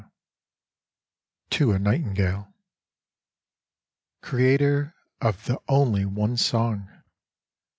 86 TO A NIGHTINGALE Creator of the only one song